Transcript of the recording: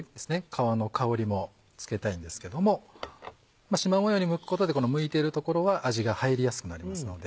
皮の香りもつけたいんですけどもしま模様にむくことでむいてるところは味が入りやすくなりますので。